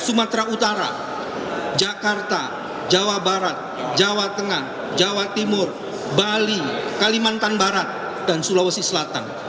sumatera utara jakarta jawa barat jawa tengah jawa timur bali kalimantan barat dan sulawesi selatan